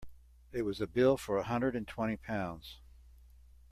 It was a bill for a hundred and twenty pounds.